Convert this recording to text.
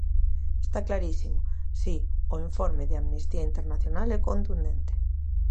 Está clarísimo, si, o informe de Amnistía Internacional é contundente.